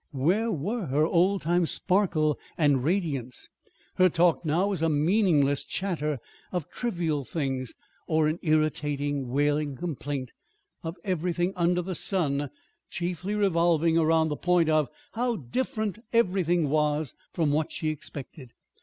Where were her old time sparkle and radiance? Her talk now was a meaningless chatter of trivial things, or an irritating, wailing complaint of everything under the sun, chiefly revolving around the point of "how different everything was" from what she expected.